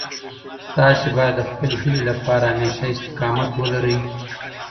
تاسي باید د خپل هیلې لپاره همېشه استقامت ولرئ.